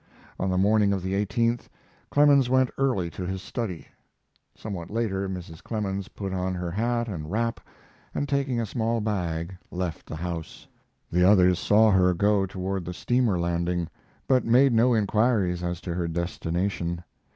On the morning of the 18th Clemens went early to his study. Somewhat later Mrs. Clemens put on her hat and wrap, and taking a small bag left the house. The others saw her go toward the steamer landing, but made no inquiries as to her destination.